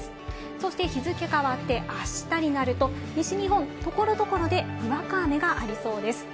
そして日付変わって明日になると、西日本、所々でにわか雨がありそうです。